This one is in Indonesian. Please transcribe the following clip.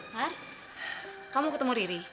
mar kamu ketemu riri